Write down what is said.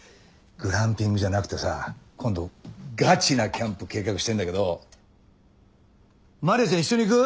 グランピングじゃなくてさ今度ガチなキャンプ計画してるんだけどまりあちゃん一緒に行く？